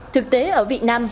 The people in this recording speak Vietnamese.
thực tế ở việt nam